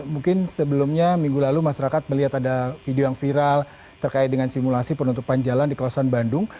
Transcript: mungkin sebelumnya minggu lalu masyarakat melihat ada video yang viral terkait dengan simulasi penutupan jalan di kawasan bandung